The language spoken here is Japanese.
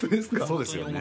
そうっすよね